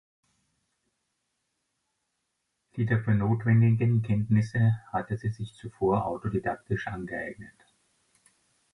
Die dafür notwendigen Kenntnisse hatte sie sich zuvor autodidaktisch angeeignet.